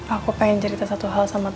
aku pengen cerita satu hal sama